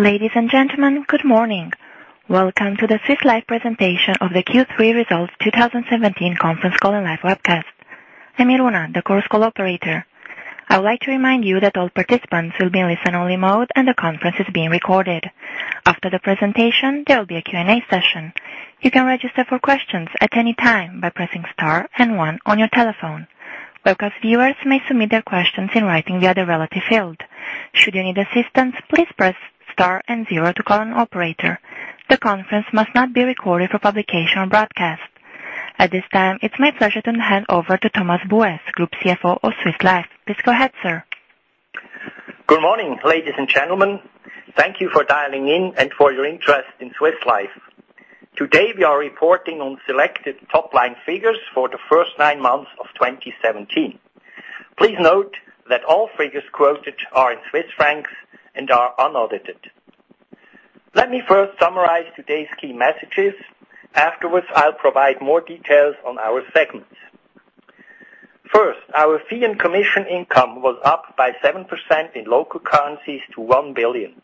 Ladies and gentlemen, good morning. Welcome to the Swiss Life presentation of the Q3 Results 2017 conference call and live webcast. I'm Iruna, the Chorus Call operator. I would like to remind you that all participants will be in listen-only mode and the conference is being recorded. After the presentation, there will be a Q&A session. You can register for questions at any time by pressing star and one on your telephone. Webcast viewers may submit their questions in writing via the relative field. Should you need assistance, please press star and zero to call an operator. The conference must not be recorded for publication or broadcast. At this time, it's my pleasure to hand over to Thomas Buess, Group CFO of Swiss Life. Please go ahead, sir. Good morning, ladies and gentlemen. Thank you for dialing in and for your interest in Swiss Life. Today we are reporting on selected top-line figures for the first nine months of 2017. Please note that all figures quoted are in CHF and are unaudited. Let me first summarize today's key messages. Afterwards, I'll provide more details on our segments. First, our fee and commission income was up by 7% in local currencies to 1 billion.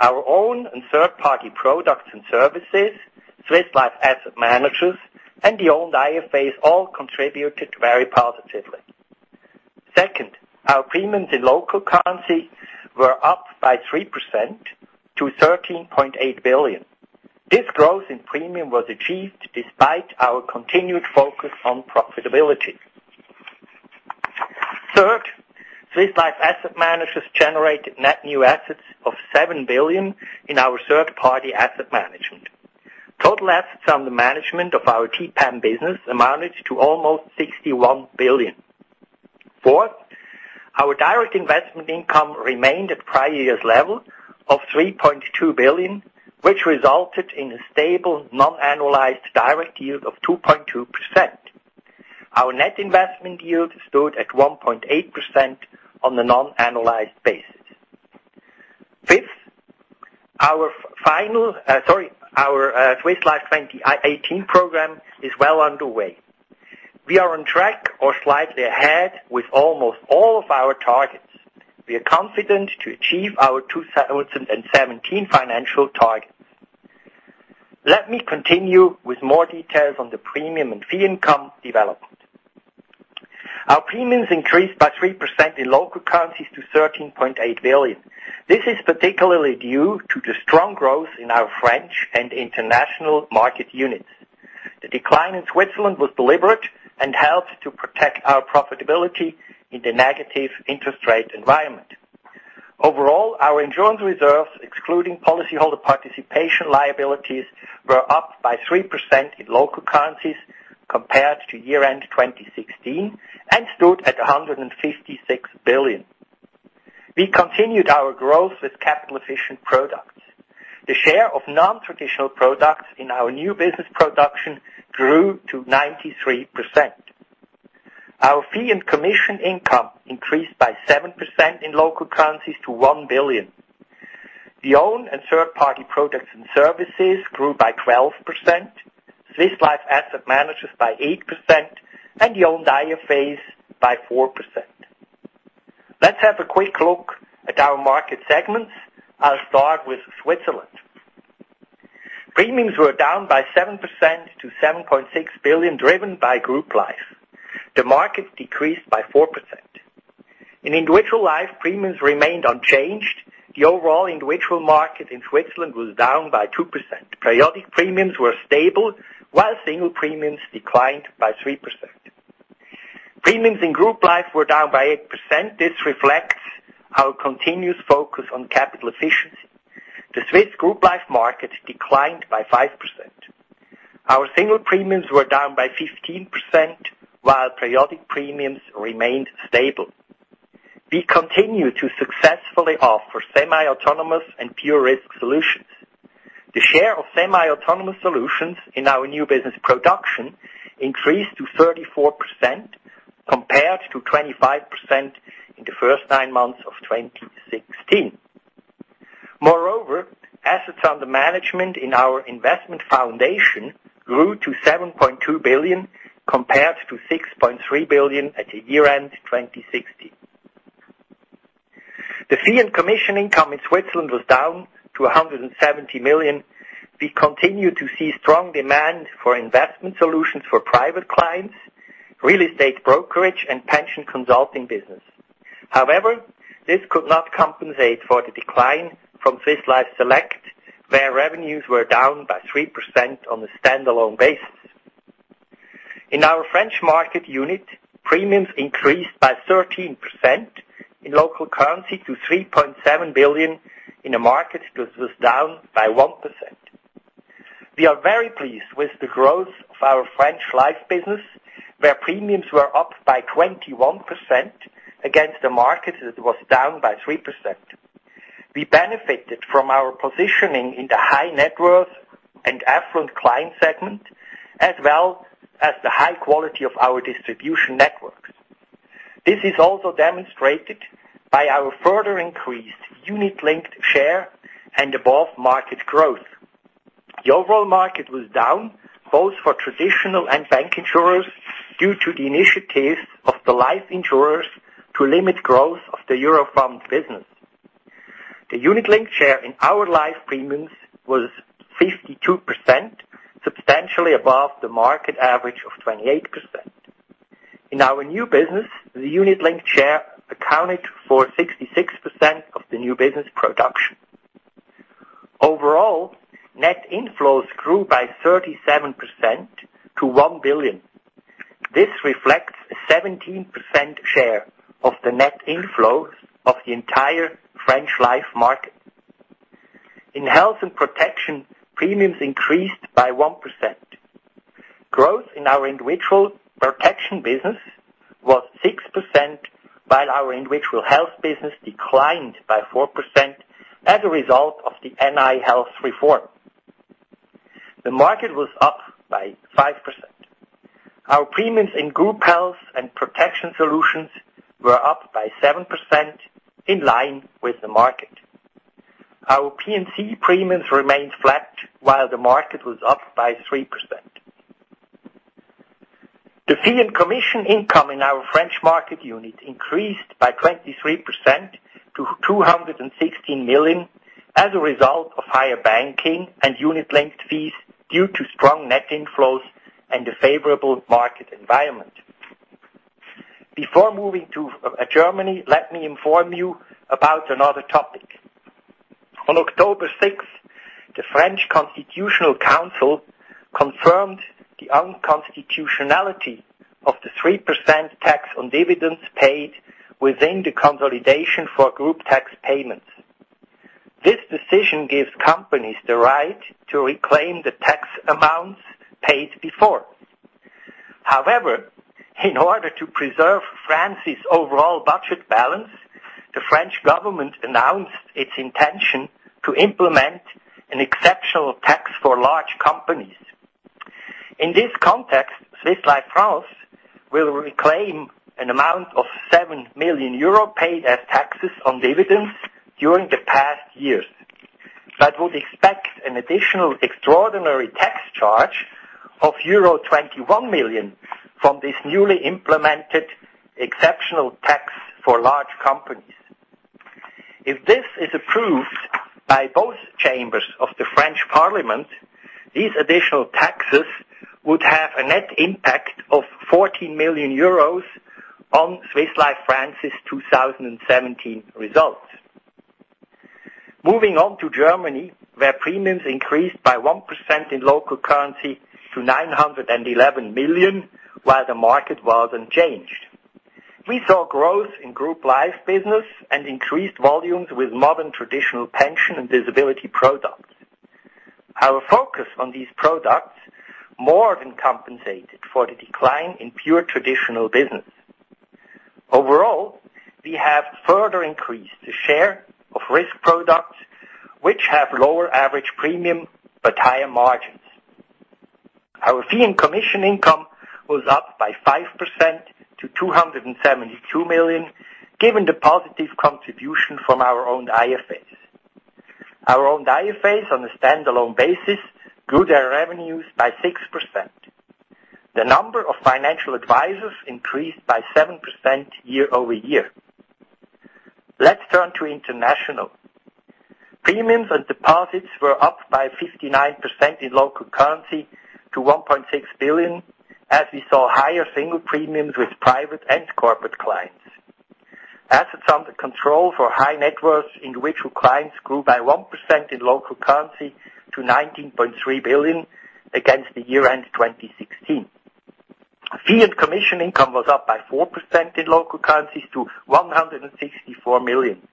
Our own and third-party products and services, Swiss Life Asset Managers, and the owned IFAs all contributed very positively. Second, our premiums in local currency were up by 3% to 13.8 billion. This growth in premium was achieved despite our continued focus on profitability. Third, Swiss Life Asset Managers generated net new assets of 7 billion in our Third-Party Asset Management. Total assets under management of our TPAM business amounted to almost 61 billion. Fourth, our direct investment income remained at prior year's level of 3.2 billion, which resulted in a stable, non-annualized direct yield of 2.2%. Our net investment yield stood at 1.8% on the non-annualized basis. Fifth, our Swiss Life 2018 program is well underway. We are on track or slightly ahead with almost all of our targets. We are confident to achieve our 2017 financial targets. Let me continue with more details on the premium and fee income development. Our premiums increased by 3% in local currencies to 13.8 billion. This is particularly due to the strong growth in our French and international market units. The decline in Switzerland was deliberate and helped to protect our profitability in the negative interest rate environment. Overall, our insurance reserves, excluding policyholder participation liabilities, were up by 3% in local currencies compared to year-end 2016 and stood at 156 billion. We continued our growth with capital-efficient products. The share of non-traditional products in our new business production grew to 93%. Our fee and commission income increased by 7% in local currencies to 1 billion. The owned and third-party products and services grew by 12%, Swiss Life Asset Managers by 8%, and the owned IFAs by 4%. Let's have a quick look at our market segments. I'll start with Switzerland. Premiums were down by 7% to 7.6 billion, driven by group life. The market decreased by 4%. In individual life, premiums remained unchanged. The overall individual market in Switzerland was down by 2%. Periodic premiums were stable, while single premiums declined by 3%. Premiums in group life were down by 8%. This reflects our continuous focus on capital efficiency. The Swiss group life market declined by 5%. Our single premiums were down by 15%, while periodic premiums remained stable. We continue to successfully offer semi-autonomous and pure risk solutions. The share of semi-autonomous solutions in our new business production increased to 34% compared to 25% in the first nine months of 2016. Moreover, assets under management in our investment foundation grew to 7.2 billion, compared to 6.3 billion at the year-end 2016. The fee and commission income in Switzerland was down to 170 million. We continue to see strong demand for investment solutions for private clients, real estate brokerage, and pension consulting business. However, this could not compensate for the decline from Swiss Life Select, where revenues were down by 3% on a standalone basis. In our French market unit, premiums increased by 13% in local currency to 3.7 billion in a market that was down by 1%. We are very pleased with the growth of our French Life business, where premiums were up by 21% against the market that was down by 3%. We benefited from our positioning in the high net worth and affluent client segment, as well as the high quality of our distribution networks. This is also demonstrated by our further increased unit-linked share and above-market growth. The overall market was down both for traditional and bank insurers due to the initiatives of the life insurers to limit growth of the euro funds business. The unit-linked share in our life premiums was 52%, substantially above the market average of 28%. In our new business, the unit-linked share accounted for 66% of the new business production. Overall, net inflows grew by 37% to 1 billion. This reflects a 17% share of the net inflows of the entire French life market. In health and protection, premiums increased by 1%. Growth in our individual protection business was 6%, while our individual health business declined by 4% as a result of the NI health reform. The market was up by 5%. Our premiums in group health and protection solutions were up by 7% in line with the market. Our P&C premiums remained flat while the market was up by 3%. The fee and commission income in our French market unit increased by 23% to 216 million as a result of higher banking and unit-linked fees due to strong net inflows and a favorable market environment. Before moving to Germany, let me inform you about another topic. On October 6th, the French Constitutional Council confirmed the unconstitutionality of the 3% tax on dividends paid within the consolidation for group tax payments. This decision gives companies the right to reclaim the tax amounts paid before. However, in order to preserve France's overall budget balance, the French government announced its intention to implement an exceptional tax for large companies. In this context, Swiss Life France will reclaim an amount of €7 million paid as taxes on dividends during the past years. That would expect an additional extraordinary tax charge of euro 21 million from this newly implemented exceptional tax for large companies. If this is approved by both chambers of the French Parliament, these additional taxes would have a net impact of €14 million on Swiss Life France's 2017 results. Moving on to Germany, where premiums increased by 1% in local currency to 911 million, while the market was unchanged. We saw growth in group life business and increased volumes with modern traditional pension and disability products. Our focus on these products more than compensated for the decline in pure traditional business. Overall, we have further increased the share of risk products which have lower average premium but higher margins. Our fee and commission income was up by 5% to 272 million, given the positive contribution from our own IFAs. Our own IFAs on a standalone basis grew their revenues by 6%. The number of financial advisors increased by 7% year-over-year. Let's turn to international. Premiums and deposits were up by 59% in local currency to 1.6 billion, as we saw higher single premiums with private and corporate clients. Assets under control for high net worth individual clients grew by 1% in local currency to 19.3 billion against the year-end 2016. Fee and commission income was up by 4% in local currencies to 164 million.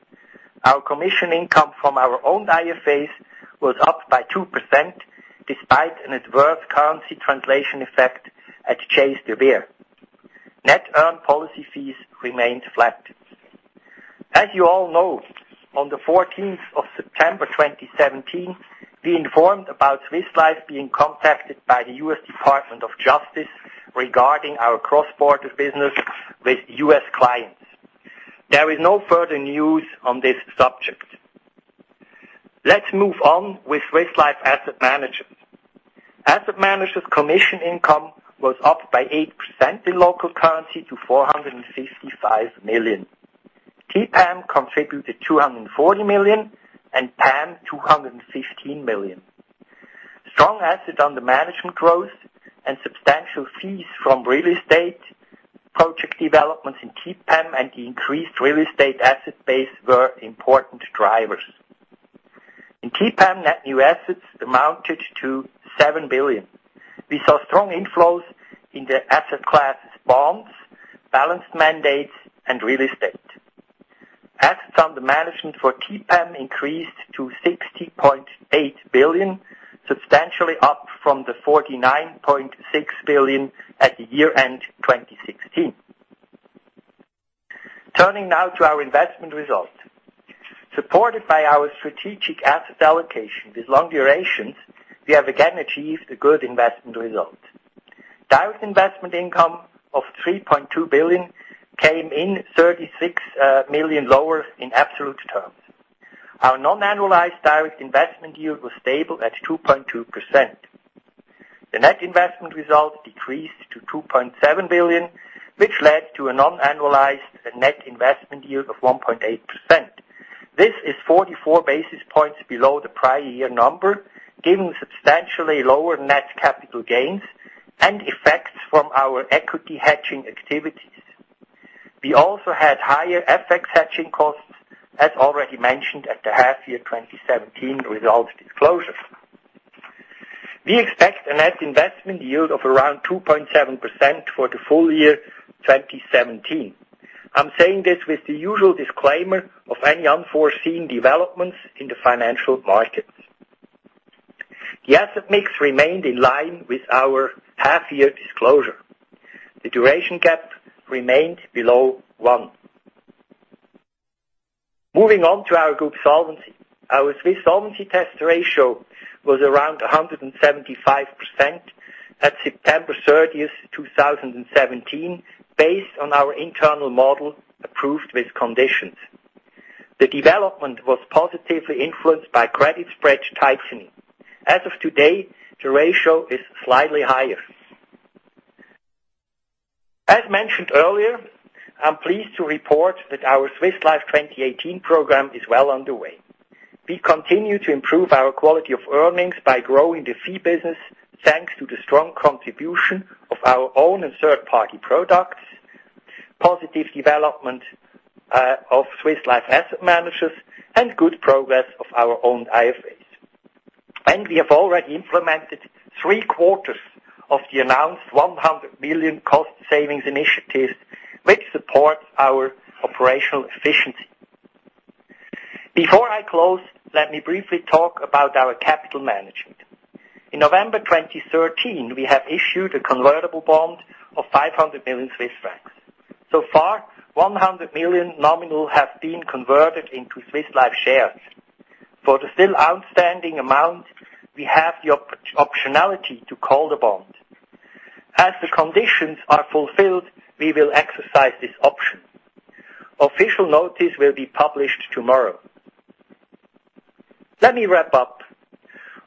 Our commission income from our own IFAs was up by 2%, despite an adverse currency translation effect at Chase de Vere. Net earned policy fees remained flat. As you all know, on September 14, 2017, we informed about Swiss Life being contacted by the U.S. Department of Justice regarding our cross-border business with U.S. clients. There is no further news on this subject. Let's move on with Swiss Life Asset Managers. Asset Managers' commission income was up by 8% in local currency to 465 million. TPIM contributed 240 million and PAM 215 million. Strong assets under management growth and substantial fees from real estate project developments in TPIM and the increased real estate asset base were important drivers. In TPIM, net new assets amounted to 7 billion. We saw strong inflows in the asset class bonds, balanced mandates and real estate. Assets under management for TPAM increased to 60.8 billion, substantially up from the 49.6 billion at the year-end 2016. Turning now to our investment results. Supported by our strategic asset allocation with long durations, we have again achieved a good investment result. Direct investment income of 3.2 billion came in 36 million lower in absolute terms. Our non-annualized direct investment yield was stable at 2.2%. The net investment result decreased to 2.7 billion, which led to a non-annualized net investment yield of 1.8%. This is 44 basis points below the prior year number, given substantially lower net capital gains and effects from our equity hedging activities. We also had higher FX hedging costs, as already mentioned at the half-year 2017 results disclosures. We expect a net investment yield of around 2.7% for the full year 2017. I'm saying this with the usual disclaimer of any unforeseen developments in the financial markets. The asset mix remained in line with our half-year disclosure. The duration gap remained below one. Moving on to our group solvency. Our Swiss Solvency Test ratio was around 175% at September 30, 2017, based on our internal model approved with conditions. The development was positively influenced by credit spread tightening. As of today, the ratio is slightly higher. As mentioned earlier, I'm pleased to report that our Swiss Life 2018 program is well underway. We continue to improve our quality of earnings by growing the fee business, thanks to the strong contribution of our own and third-party products, positive development of Swiss Life Asset Managers, and good progress of our own IFAs. We have already implemented three-quarters of the announced 100 million cost savings initiatives, which supports our operational efficiency. Before I close, let me briefly talk about our capital management. In November 2013, we have issued a convertible bond of 500 million Swiss francs. So far, 100 million nominal have been converted into Swiss Life shares. For the still outstanding amount, we have the optionality to call the bond. As the conditions are fulfilled, we will exercise this option. Official notice will be published tomorrow. Let me wrap up.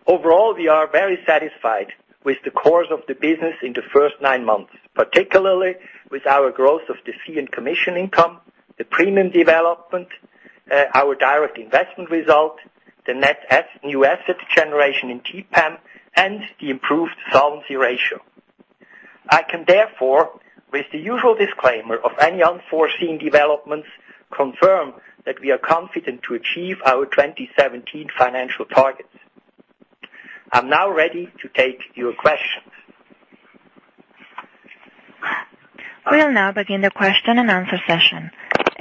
Overall, we are very satisfied with the course of the business in the first nine months, particularly with our growth of the fee and commission income, the premium development, our direct investment result, the net new asset generation in TPAM, and the improved solvency ratio. I'm therefore, with the usual disclaimer of any unforeseen developments, confirm that we are confident to achieve our 2017 financial targets. I'm now ready to take your questions. We will now begin the question-and-answer session.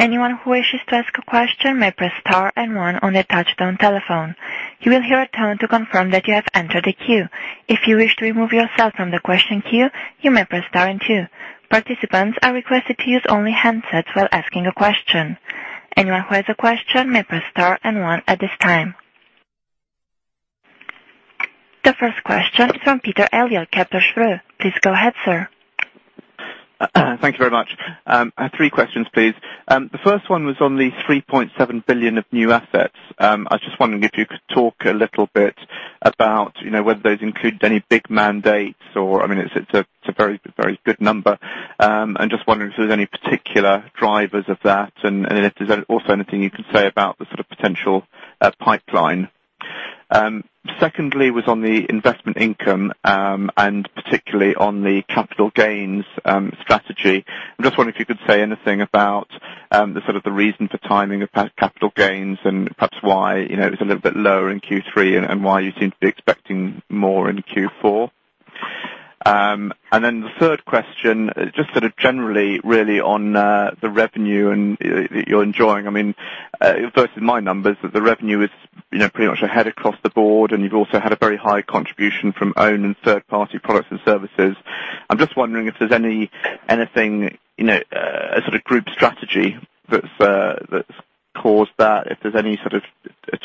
Anyone who wishes to ask a question may press star and one on their touchtone telephone. You will hear a tone to confirm that you have entered the queue. If you wish to remove yourself from the question queue, you may press star and two. Participants are requested to use only handsets while asking a question. Anyone who has a question may press star and one at this time. The first question is from Peter Eliot, Kepler Cheuvreux. Please go ahead, sir. Thank you very much. I have three questions, please. The first one was on the 3.7 billion of new assets. I was just wondering if you could talk a little bit about whether those include any big mandates. It's a very good number. I'm just wondering if there's any particular drivers of that, and if there's also anything you can say about the sort of potential pipeline. Secondly was on the investment income, and particularly on the capital gains strategy. I'm just wondering if you could say anything about the reason for timing of capital gains and perhaps why it's a little bit lower in Q3 and why you seem to be expecting more in Q4. The third question, just sort of generally really on the revenue that you're enjoying. Versus my numbers, the revenue is pretty much ahead across the board, you've also had a very high contribution from owned and third-party products and services. I'm just wondering if there's anything, a sort of group strategy that's caused that, if there's any sort of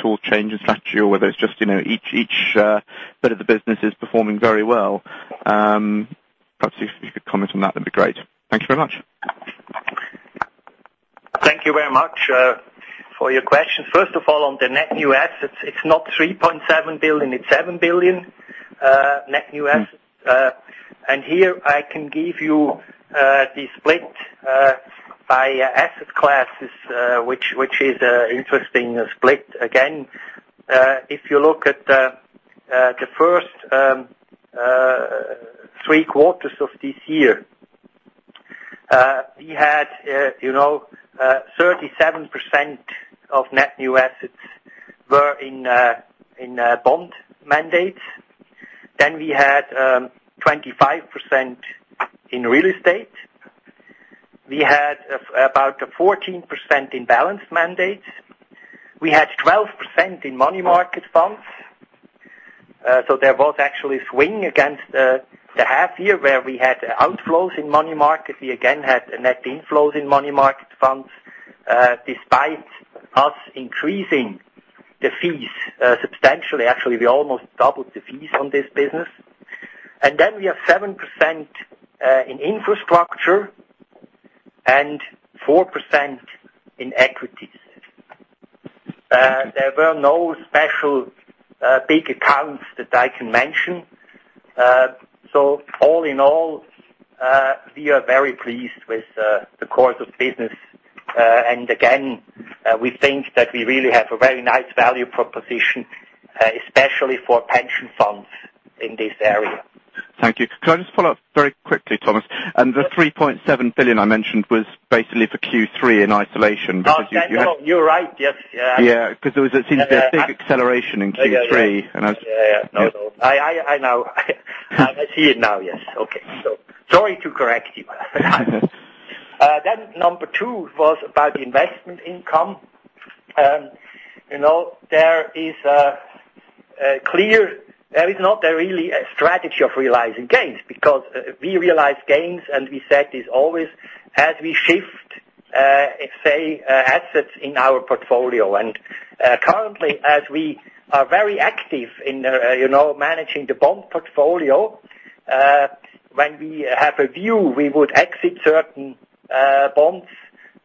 at all change in strategy or whether it's just each bit of the business is performing very well. Perhaps if you could comment on that'd be great. Thank you very much. Thank you very much for your question. First of all, on the net new assets, it is not 3.7 billion, it is 7 billion net new assets. Here, I can give you the split by asset classes which is interesting split. Again, if you look at the first three quarters of this year, we had 37% of net new assets were in bond mandates. We had 25% in real estate. We had about 14% in balanced mandates. We had 12% in money market funds. There was actually a swing against the half year where we had outflows in money market. We again had net inflows in money market funds. Despite us increasing the fees substantially, actually, we almost doubled the fees on this business. We have 7% in infrastructure and 4% in equities. There were no special big accounts that I can mention. All in all, we are very pleased with the course of business. Again, we think that we really have a very nice value proposition, especially for pension funds in this area. Thank you. Can I just follow up very quickly, Thomas, the 3.7 billion I mentioned was basically for Q3 in isolation. No, you're right. Yes. Yeah. Because it seems there's a big acceleration in Q3. Yeah. I know. I see it now. Yes. Okay. Sorry to correct you. Number 2 was about the investment income. There is not really a strategy of realizing gains because we realize gains, and we said this always, as we shift, say, assets in our portfolio. Currently, as we are very active in managing the bond portfolio, when we have a view, we would exit certain bonds.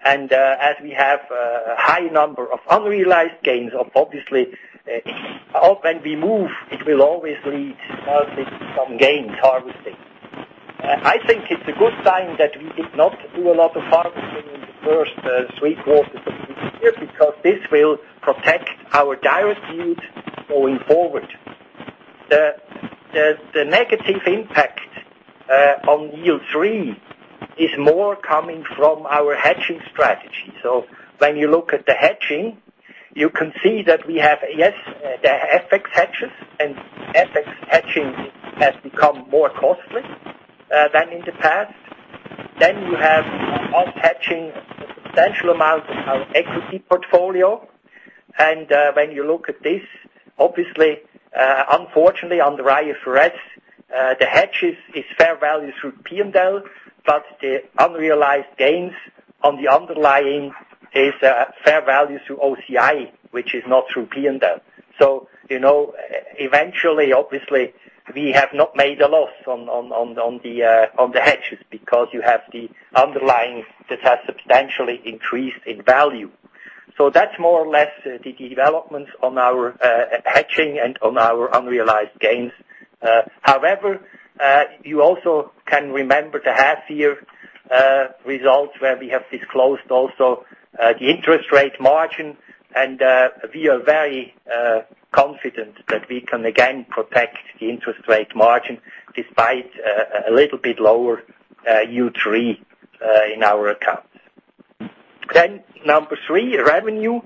As we have a high number of unrealized gains, obviously, when we move, it will always lead to some gains harvesting. I think it's a good sign that we did not do a lot of harvesting in the first 3 quarters of this year because this will protect our direct yields going forward. The negative impact on yield 3 is more coming from our hedging strategy. When you look at the hedging, you can see that we have, yes, the FX hedges and FX hedging has become more costly than in the past. You have us hedging a substantial amount of our equity portfolio. When you look at this, obviously, unfortunately on the IFRS, the hedges is fair value through P&L, but the unrealized gains on the underlying is fair value through OCI, which is not through P&L. Eventually, obviously, we have not made a loss on the hedges because you have the underlying that has substantially increased in value. That's more or less the development on our hedging and on our unrealized gains. However, you also can remember the half year results where we have disclosed also the interest rate margin and we are very confident that we can again protect the interest rate margin despite a little bit lower U3 in our accounts. Number 3, revenue.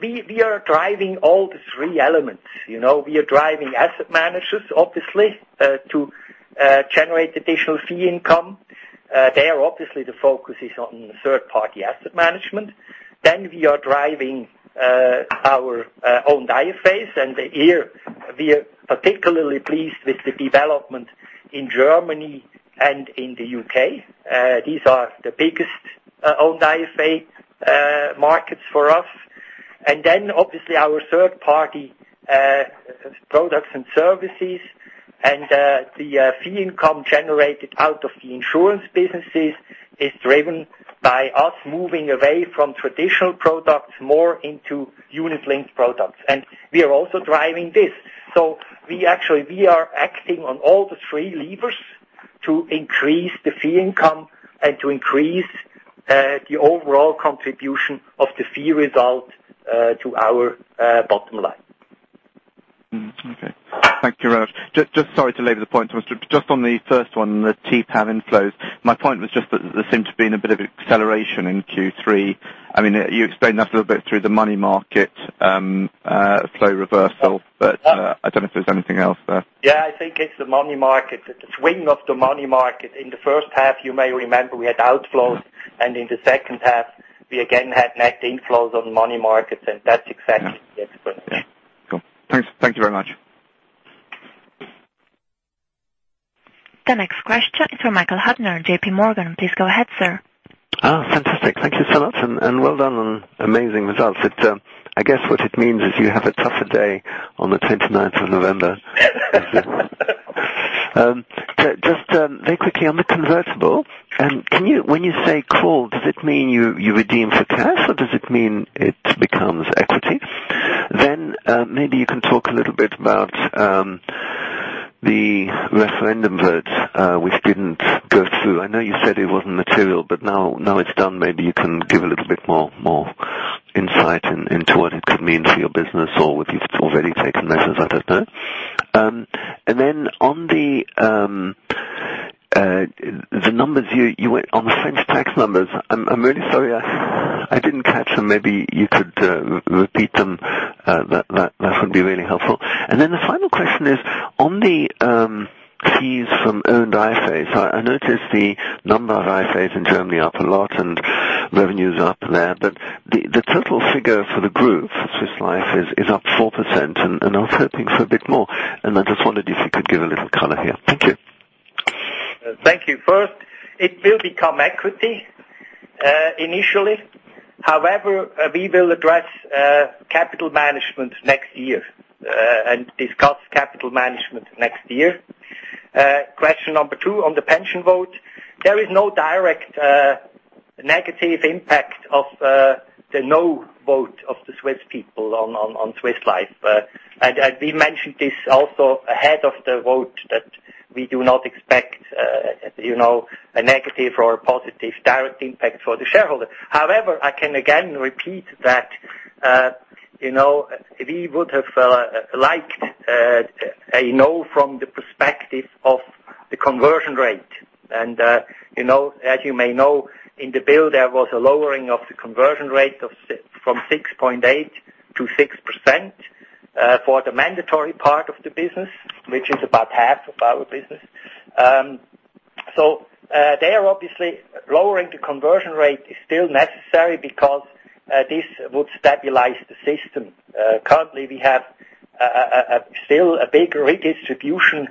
We are driving all the 3 elements. We are driving asset managers, obviously, to generate additional fee income. There obviously the focus is on Third-Party Asset Management. We are driving our own IFAs, and here we are particularly pleased with the development in Germany and in the U.K. These are the biggest owned IFA markets for us. Obviously our third party products and services and the fee income generated out of the insurance businesses is driven by us moving away from traditional products more into unit-linked products. We are also driving this. We actually are acting on all the three levers to increase the fee income and to increase the overall contribution of the fee result to our bottom line. Okay. Thank you, Thomas. Sorry to labor the point, Thomas, just on the first one, the TPAM inflows. My point was just that there seemed to be a bit of an acceleration in Q3. You explained that a little bit through the money market flow reversal, I don't know if there's anything else there. I think it's the money market, the swing of the money market. In the first half, you may remember we had outflows, in the second half, we again had net inflows on money markets, that's exactly the explanation. Cool. Thanks. Thank you very much. The next question is from Michael Huttner, JPMorgan. Please go ahead, sir. Oh, fantastic. Thank you so much. Well done on amazing results. Just very quickly on the convertible, when you say call, does it mean you redeem for cash or does it mean it becomes equity? Maybe you can talk a little bit about the referendum vote which didn't go through. I know you said it wasn't material, but now it's done. Maybe you can give a little bit more insight into what it could mean for your business or if it's already taken that, as I don't know. On the French tax numbers, I'm really sorry I didn't catch them. Maybe you could repeat them. That would be really helpful. The final question is on the fees from owned IFAs. I noticed the number of IFAs in Germany up a lot. Revenues are up there. The total figure for the group, Swiss Life, is up 4%, I was hoping for a bit more, I just wondered if you could give a little color here. Thank you. First, it will become equity initially. However, we will address capital management next year, discuss capital management next year. Question number 2 on the pension vote, there is no direct negative impact of the no vote of the Swiss people on Swiss Life. We mentioned this also ahead of the vote that we do not expect a negative or a positive direct impact for the shareholder. However, I can again repeat that we would have liked a no from the perspective of the conversion rate. As you may know, in the bill there was a lowering of the conversion rate from 6.8% to 6% for the mandatory part of the business, which is about half of our business. There obviously, lowering the conversion rate is still necessary because this would stabilize the system. Currently, we have still a big redistribution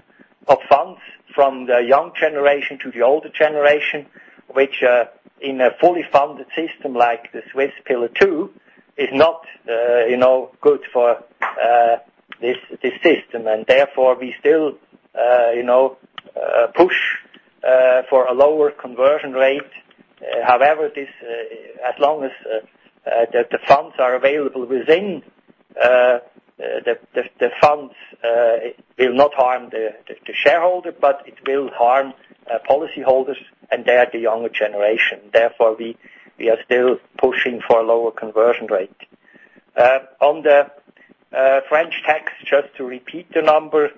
of funds from the young generation to the older generation, which in a fully funded system like the Swiss Pillar Two is not good for this system. Therefore, we still push for a lower conversion rate. However, as long as the funds are available within, the funds will not harm the shareholder, but it will harm policy holders, and they are the younger generation. Therefore, we are still pushing for a lower conversion rate. On the French tax, just to repeat the number.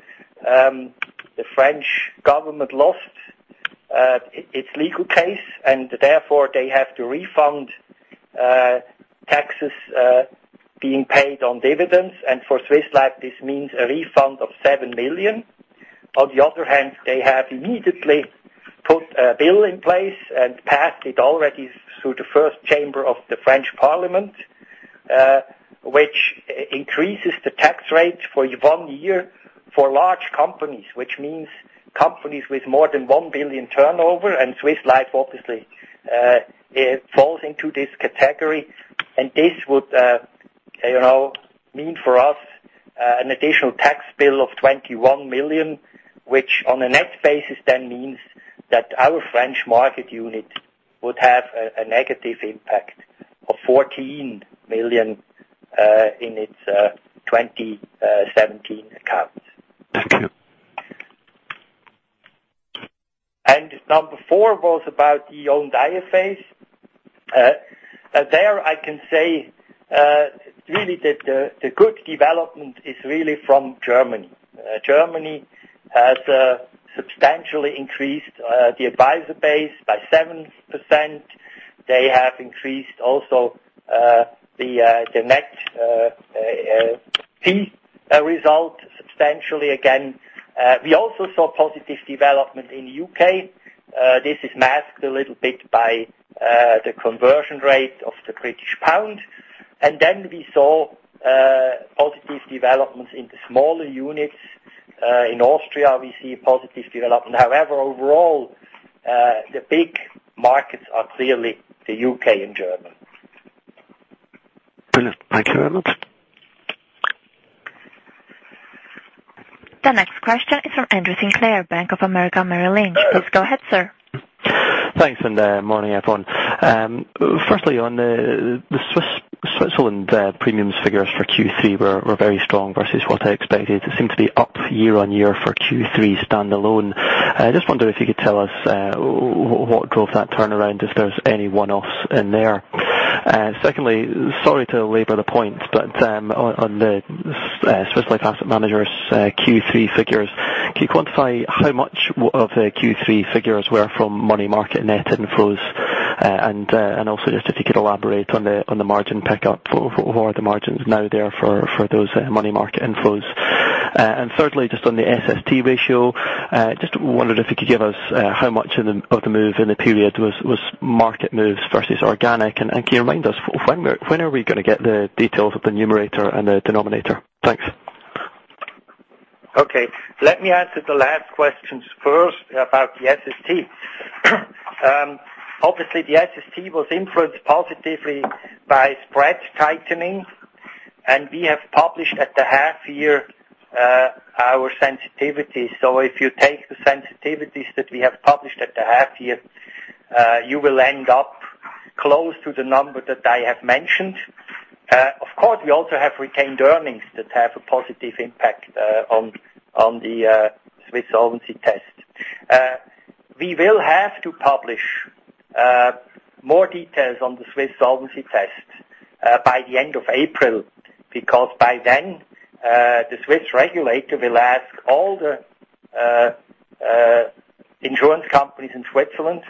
The French government lost its legal case, and therefore they have to refund taxes being paid on dividends. For Swiss Life, this means a refund of 7 million. On the other hand, they have immediately put a bill in place and passed it already through the first chamber of the French parliament which increases the tax rate for one year for large companies, which means companies with more than 1 billion turnover, Swiss Life obviously falls into this category. This would mean for us an additional tax bill of 21 million, which on a net basis then means that our French market unit would have a negative impact of 14 million in its 2017 accounts. Thank you. Number four was about the owned IFAs. There I can say, really the good development is really from Germany. Germany has substantially increased the advisor base by 7%. They have increased also the net fee result substantially again. We also saw positive development in U.K. This is masked a little bit by the conversion rate of the British pound. Then we saw positive developments in the smaller units. In Austria, we see a positive development. However, overall, the big markets are clearly the U.K. and Germany. Brilliant. Thank you very much. The next question is from Andrew Sinclair, Bank of America Merrill Lynch. Please go ahead, sir. Thanks. Morning, everyone. Firstly, on the Switzerland premiums figures for Q3 were very strong versus what I expected. They seem to be up year-on-year for Q3 standalone. I just wonder if you could tell us what drove that turnaround, if there's any one-offs in there. Secondly, sorry to labor the point, but on the Swiss Life Asset Managers Q3 figures, can you quantify how much of the Q3 figures were from money market net inflows? And also just if you could elaborate on the margin pickup, or the margins now there for those money market inflows. Thirdly, just on the SST ratio, just wondered if you could give us how much of the move in the period was market moves versus organic. Can you remind us when are we going to get the details of the numerator and the denominator? Thanks. Let me answer the last questions first about the SST. Obviously, the SST was influenced positively by spread tightening. We have published at the half year our sensitivity. If you take the sensitivities that we have published at the half year, you will end up close to the number that I have mentioned. Of course, we also have retained earnings that have a positive impact on the Swiss Solvency Test. We will have to publish more details on the Swiss Solvency Test by the end of April, because by then the Swiss regulator will ask all the insurance companies in Switzerland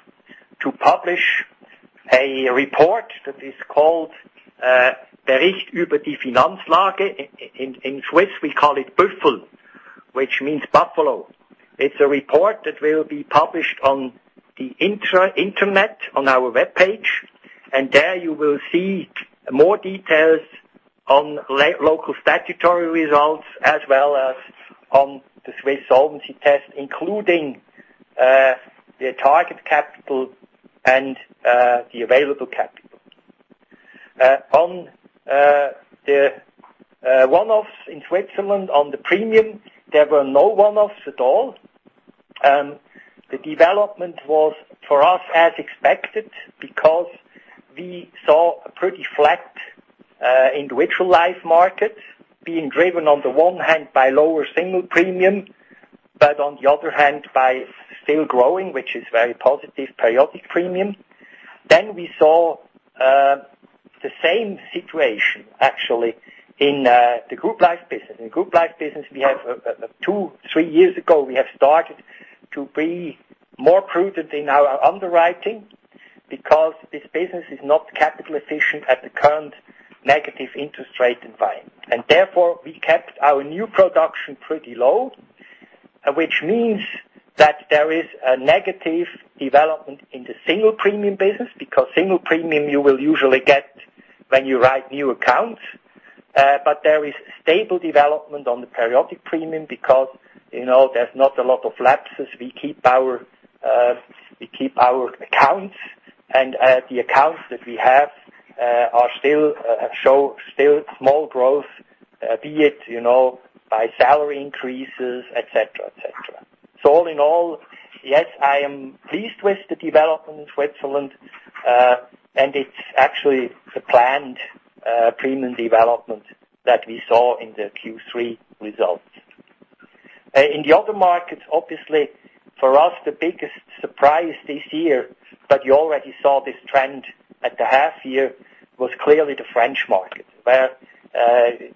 to publish a report that is called in Swiss we call it Büffel, which means buffalo. It's a report that will be published on the internet on our webpage, there you will see more details on local statutory results as well as on the Swiss Solvency Test, including the target capital and the available capital. On the one-offs in Switzerland on the premium, there were no one-offs at all. The development was, for us, as expected, because we saw a pretty flat individual life market being driven on the one hand by lower single premium, but on the other hand, by still growing, which is very positive periodic premium. We saw the same situation actually in the group life business. In group life business, two, three years ago, we have started to be more prudent in our underwriting because this business is not capital efficient at the current negative interest rate environment. Therefore, we kept our new production pretty low, which means that there is a negative development in the single premium business, because single premium you will usually get when you write new accounts. There is stable development on the periodic premium because there's not a lot of lapses. We keep our accounts, and the accounts that we have still show small growth, be it by salary increases, et cetera. All in all, yes, I am pleased with the development in Switzerland. It's actually the planned premium development that we saw in the Q3 results. In the other markets, obviously, for us, the biggest surprise this year, but you already saw this trend at the half year, was clearly the French market, where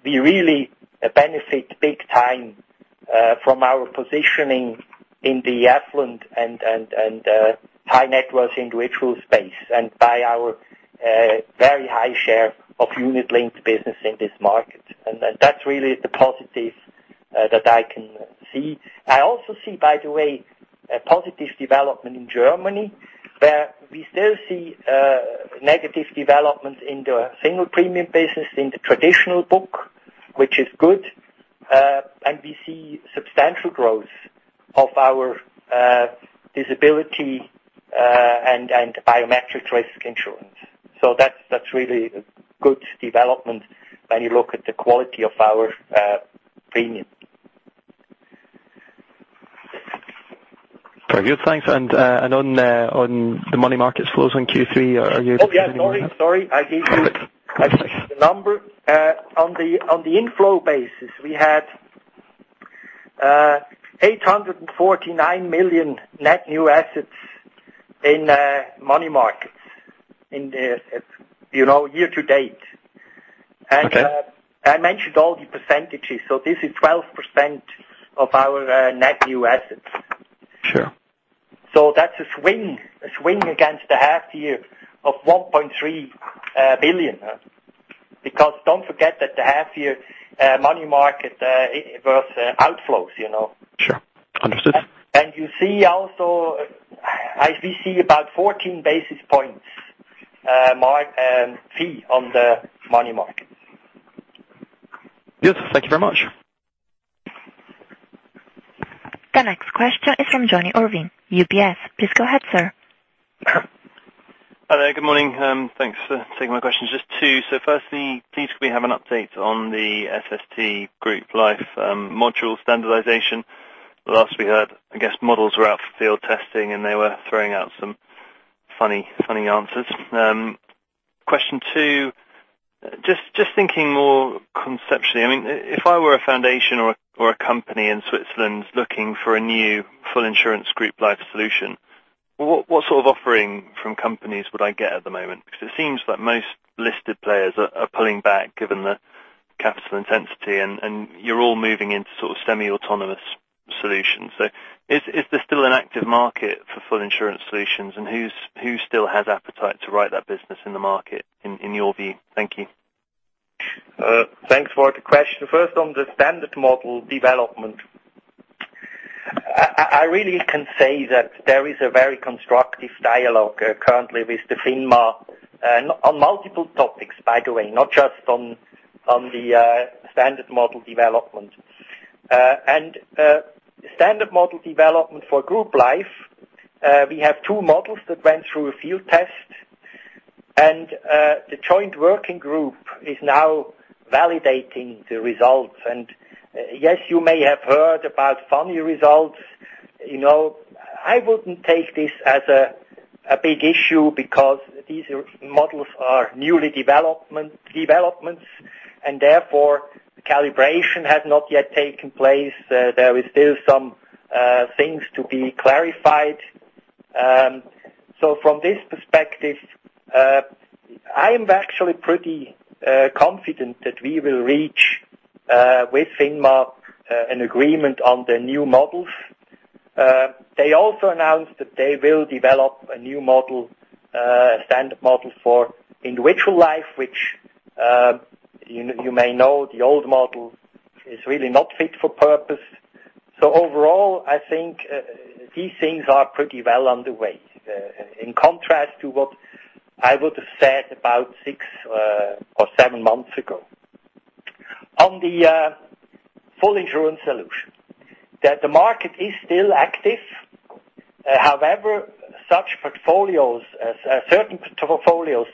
we really benefit big time from our positioning in the affluent and high-net-worth individual space, and by our very high share of unit-linked business in this market. That's really the positive that I can see. I also see, by the way, a positive development in Germany, where we still see negative development in the single premium business in the traditional book, which is good. We see substantial growth of our disability and biometric risk insurance. That's really a good development when you look at the quality of our premium. Very good. Thanks. On the money market flows in Q3. Oh, yeah. Sorry. I give you the number. On the inflow basis, we had 849 million net new assets in money markets in the year to date. Okay. I mentioned all the percentages. This is 12% of our net new assets. Sure. That's a swing against the half year of 1.3 billion. Don't forget that the half year money market was outflows. Sure. Understood. You see also, we see about 14 basis points fee on the money markets. Yes. Thank you very much. The next question is from Jonny Irvine, UBS. Please go ahead, sir. Hello, good morning. Thanks for taking my questions. Just two. Firstly, please could we have an update on the SST group life module standardization? Last we heard, I guess models were out for field testing, and they were throwing out some funny answers. Question 2, just thinking more conceptually, if I were a foundation or a company in Switzerland looking for a new full insurance group life solution, what sort of offering from companies would I get at the moment? It seems that most listed players are pulling back given the capital intensity, and you're all moving into sort of semi-autonomous solutions. Is there still an active market for full insurance solutions, and who still has appetite to write that business in the market, in your view? Thank you. Thanks for the question. First, on the standard model development. I really can say that there is a very constructive dialogue currently with FINMA on multiple topics, by the way, not just on the standard model development. Standard model development for group life, we have two models that went through a field test, and the joint working group is now validating the results. Yes, you may have heard about funny results. I wouldn't take this as a big issue because these models are newly developments, and therefore, the calibration has not yet taken place. There is still some things to be clarified. From this perspective, I am actually pretty confident that we will reach, with FINMA, an agreement on the new models. They also announced that they will develop a new model, a standard model for individual life, which you may know the old model is really not fit for purpose. Overall, I think these things are pretty well underway. In contrast to what I would have said about six or seven months ago. On the full insurance solution, that the market is still active. However, certain portfolios,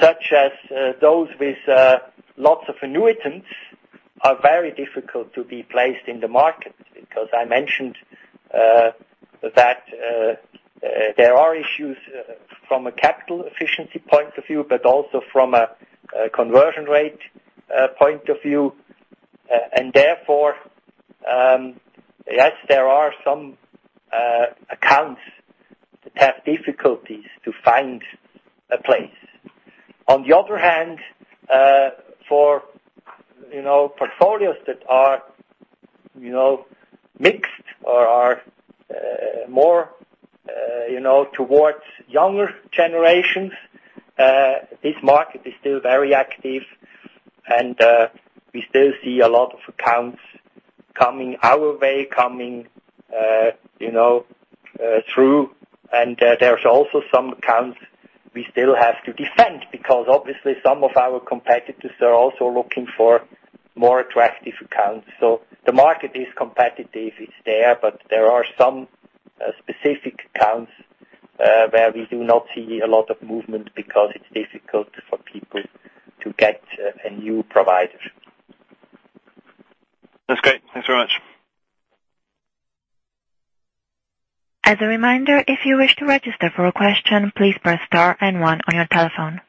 such as those with lots of annuitants, are very difficult to be placed in the market because I mentioned that there are issues from a capital efficiency point of view, but also from a conversion rate point of view. Therefore, yes, there are some accounts that have difficulties to find a place. On the other hand, for portfolios that are mixed or are more towards younger generations, this market is still very active and we still see a lot of accounts coming our way, coming through. There's also some accounts we still have to defend because obviously some of our competitors are also looking for more attractive accounts. The market is competitive, it's there, but there are some specific accounts where we do not see a lot of movement because it's difficult for people to get a new provider. That's great. Thanks very much. As a reminder, if you wish to register for a question, please press star and one on your telephone.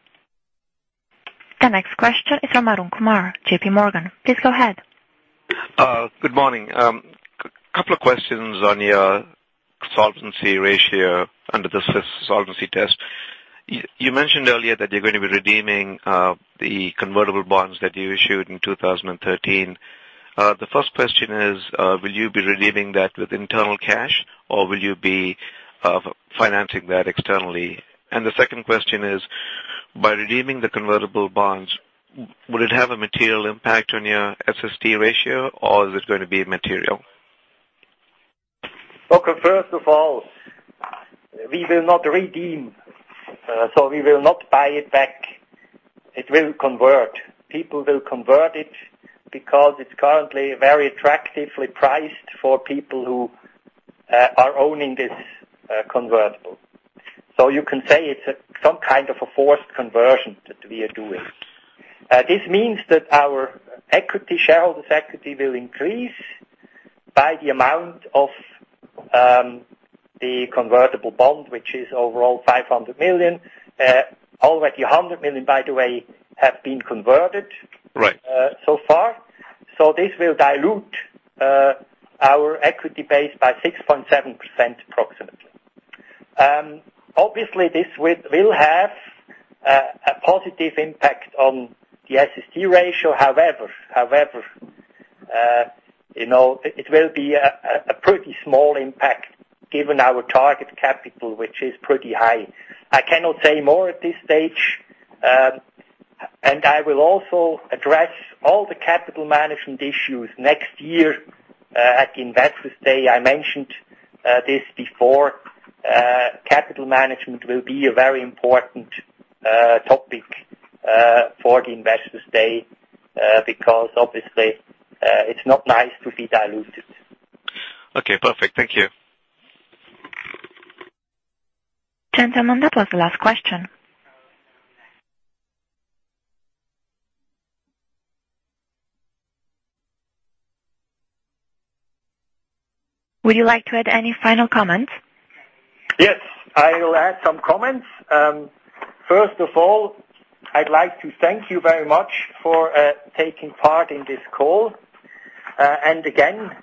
The next question is from Arun Kumar, JPMorgan. Please go ahead. Good morning. Couple of questions on your solvency ratio under the solvency test. You mentioned earlier that you're going to be redeeming the convertible bonds that you issued in 2013. The first question is, will you be redeeming that with internal cash or will you be financing that externally? The second question is, by redeeming the convertible bonds, would it have a material impact on your SST ratio or is it going to be immaterial? Okay, first of all, we will not redeem. We will not buy it back. It will convert. People will convert it because it's currently very attractively priced for people who are owning this convertible. You can say it's some kind of a forced conversion that we are doing. This means that our shareholders' equity will increase by the amount of the convertible bond, which is overall 500 million. Already 100 million, by the way, have been converted. Right So far. This will dilute our equity base by 6.7% approximately. Obviously, this will have a positive impact on the SST ratio. However, it will be a pretty small impact given our target capital, which is pretty high. I cannot say more at this stage. I will also address all the capital management issues next year at the Investors Day. I mentioned this before. Capital management will be a very important topic for the Investors Day, because obviously, it's not nice to be diluted. Okay, perfect. Thank you. Gentlemen, that was the last question. Would you like to add any final comments? Yes. I will add some comments. First of all, I'd like to thank you very much for taking part in this call. Again,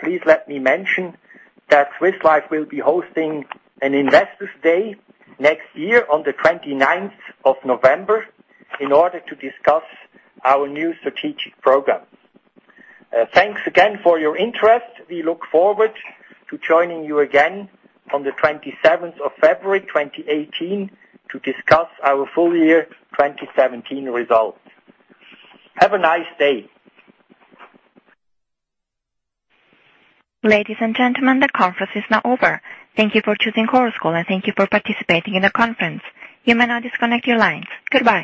please let me mention that Swiss Life will be hosting an Investors Day next year on the 29th of November in order to discuss our new strategic program. Thanks again for your interest. We look forward to joining you again on the 27th of February 2018 to discuss our full year 2017 results. Have a nice day. Ladies and gentlemen, the conference is now over. Thank you for choosing Chorus Call, and thank you for participating in the conference. You may now disconnect your lines. Goodbye.